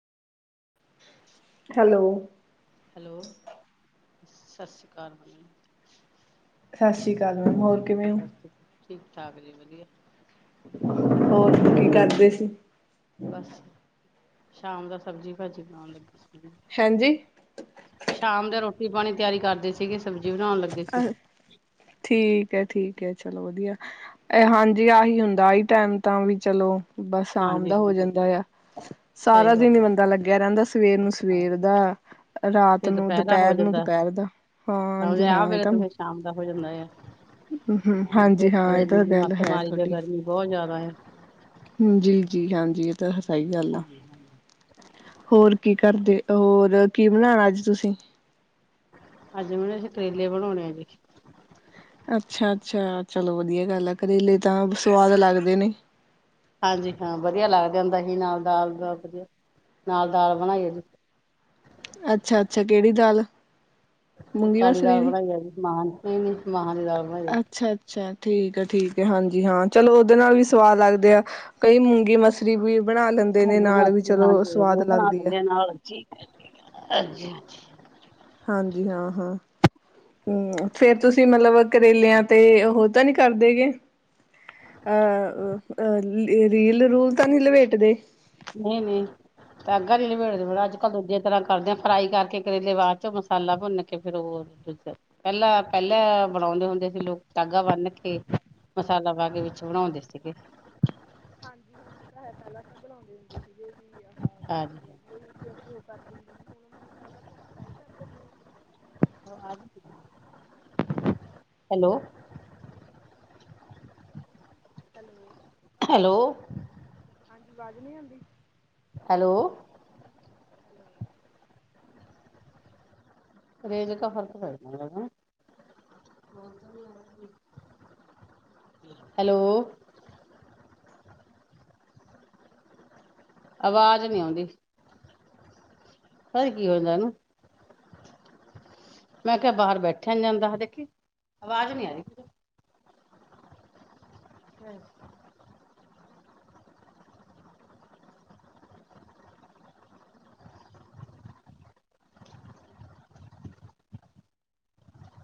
Hello. Hello ਸਤਿ ਸ਼੍ਰੀ ਅਕਾਲ। ਸਤਿ ਸ੍ਰੀ ਅਕਾਲ ਮੈਮ ਹੋਰ ਕਿਵੇਂ ਹੋ ਚਾਗਰੀ ਵਧੀਆ ਹੋਰ ਕੀ ਕਰਦੇ ਸੀ ਬਸ ਸ਼ਾਮ ਦਾ ਸਬਜ਼ੀ ਭਾਜੀ ਬਣਾਉਣ ਲੱਗੀ ਹਾਂਜੀ ਸ਼ਾਮ ਦੇ ਰੋਟੀ ਪਾਣੀ ਤਿਆਰੀ ਕਰਦੇ ਸੀਗੇ ਸਬਜ਼ੀ ਬਣਾਉਣ ਲੱਗੇ ਅ ਸੀ ਠੀਕ ਹੈ ਠੀਕ ਚਲੋ ਵਧੀਆ ਹਾਂਜੀ ਆਹੀ ਹੁੰਦਾ ਆਹੀ ਟਾਈਮ ਤਾਂ ਵੀ ਚਲੋ ਬਸ ਆਮ ਹਾਂਜੀ ਦਾ ਹੋ ਹਾਂਜੀ ਜਾਂਦਾ ਆ ਸਹੀ ਸਾਰਾ ਗੱਲ ਦਿਨ ਹੈ ਬੰਦਾ ਲੱਗਿਆ ਰਹਿੰਦਾ ਸਵੇਰ ਨੂੰ ਹਾਂ ਸਵੇਰ ਦਾ ਰਾਤ ਫਿਰ ਨੂੰ ਦੁਪਹਿਰਾ ਦੁਪਹਿਰ ਨੂੰ ਦੁਪਹਿਰ ਦਾ ਹਾਂ ਵਿਆਹ ਇਹ ਵੇਲੇ ਤਾਂ ਤ ਫਿਰ ਸ਼ਾਮ ਦਾ ਹੋ ਜਾਂਦਾ ਆ ਹਾਂ ਤੇ ਹਾਂਜੀ ਇਹ ਗਰਮੀ ਤਾਂ ਦੀ ਗੱਲ ਮੱੱਸ ਮਾਰੀ ਹੈ ਗਰਮੀ ਬਹੁਤ ਜਿਆਦਾ ਆ ਹ ਜੀ ਜੀ ਹਾਂਜੀ ਇਹ ਤਾਂ ਸਹੀ ਗੱਲ ਆ ਹਾਂਜੀ ਹਾਂਜੀ, ਹੋਰ ਕੀ ਕਰਦੇ ਹੋਰ ਕੀ ਬਣਾਣਾ ਅੱਜ ਤੁਸੀਂ ਅੱਜ ਮੈਨੂੰ ਸ਼ ਕਰੇਲੇ ਬਣਾਉਣੇ ਆ ਜੀ ਅੱਛਾ ਅੱਛਾ ਚਲੋ ਵਧੀਆ ਗੱਲ ਆ ਕਰੇਲੇ ਤਾਂ ਸਵਾਦ ਲੱਗਦੇ ਨੇ ਹਾਂਜੀ ਹਾਂ ਵਧੀਆ ਲੱਗ ਜਾਂ ਹੁੰਦਾ ਹੀ ਨਾਲ ਦ ਦ ਵਧੀਆ ਨਾਲ ਦਾਲ ਬਣਾਈਦੀ ਅੱਛਾ ਅੱਛਾ ਕਿਹੜੀ ਦਾਲ ਮੂੰਗੀ ਕਾਲੀ ਮਸਰੀ ਦਾਲ ਦੀ ਬਣਾਈ ਆ ਵੀ ਸਮਾਨ ਨੀਾਨ ਅੱਛਾ ਅੱਛਾ ਠੀਕ ਆ ਠੀਕ ਹਾਂਜੀ ਹਾਂ ਚਲੋ ਉਹਦੇ ਨਾਲ ਵੀ ਸਵਾਦ ਲੱਗਦੇ ਆ ਕਈ ਮੂੰਗੀ ਮਸਰੀ ਵੀ ਬਣਾ ਲੈਂਦੇ ਨੇ ਹਾਂਜੀ ਨਾਲ ਵੀ ਮਾਸੀ ਜੀ ਚਲੋ ਹਾਂਜੀ ਹਾਂਜੀ ਸਵਾਦ ਉਹ ਬਣਾ ਲੱਗਦੀ ਹੈ ਲੈਂਦੇ ਆ ਨਾਲ ਅੱਛੀ ਹਾਂਜੀ ਹਾਂਜੀ ਹਾਂਜੀ ਹਾਂ ਹਾਂ ਹਮ ਫੇਰ ਤੁਸੀਂ ਮਤਲਬ ਕਰੇਲਿਆਂ ਤੇ ਉਹ ਤਾਂ ਨਹੀਂੀ ਕਰਦੇ ਗ ਅਹ ਅਹ ਰੀਲ ਰੂਲ ਤਾਂ ਨਹੀਂੀ ਲਪੇਟਦੇ ਨਹੀਂ ਨਹੀਂ ਤਾਂ ਦਾਗਾਂ ਨੀ ਲਬੇੜਦੇੜਾ ਅੱਜ ਕੱਲ੍ਹ ਦੂਜੇ ਤਰ੍ਹਾਂ ਕਰਦੇ ਆ ਫਰਾਈ ਕਰਕੇ ਕਰੇਲੇ ਬਾਅਦ ਚੋਂ ਮਸਾਲਾ ਭੁੰਨ ਕੇ ਫਿਰ ੳਹ ਪਹਿਲਾਂ ਪਹਿਲਾਂ ਬਣਾਉਂਦੇ ਹੁੰਦੇ ਸੀ। ਲੋਕ ਦਾਗਾ ਬੰਨ ਕੇ ਮਸਾਲਾ ਬਾਗੇ ਵਿੱਚ ਬਣਾਉਂਦੇ ਸੀਗੇ ਹਾਂਜੀ ਹਾਂ ਇਹ ਤਾਂ ਹੈ ਪਹਿਲਾਂ ਤਾਂ ਬੁਲਾਉਂਦੇ ਹੁੰਦੇ ਸੀਗੇ ਵੀ ਹਾਂਜੀ। ਮਲ ਪਹਿਲਾਂ ਤੁਸੀਂ ਫਰਾਈ ਕਰ ਦਿੰਦੇ ਹੋ। ਹੈਲੋ ਹੈਲੋ ਹੈਲੋ ਹਾਂਜੀ ਆਵਾਜ਼ ਨਹੀ ਆਉਂਦੀ। ਹੈਲੋ ਹੈਲੋ ਰੇਜ ਕ ਫਰਕ ਪੇ ਹੈਲੋ ਆਵਾਜ਼ ਨਹੀ ਆਉਂਦੀ। ਪਤਾ ਨੀ ਕੀ ਹੁੰਦਾ ਇਹ ਨੂੰ ਮੈਂ ਕਿਹਾ ਬਾਹਰ ਬੈਠਿਆ ਨ ਜਾਂਦਾ ਦੇਖੀ ਆਵਾਜ਼ ਨੀ ਆ ਰਹੀ ਹਮ